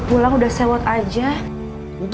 pulang udah sewa aja itu tuh